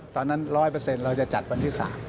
ตอนนั้น๑๐๐เราจะจัดวันที่๓